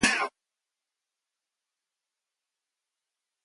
During this period he won six league championships.